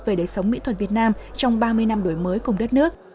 về đời sống mỹ thuật việt nam trong ba mươi năm đổi mới cùng đất nước